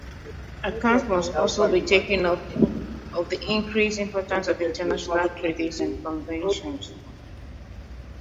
Account must also be taken of the increasing importance of international treaties and conventions.